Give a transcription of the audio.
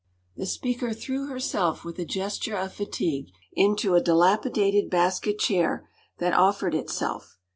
” The speaker threw herself with a gesture of fatigue into a dilapidated basket chair that offered itself.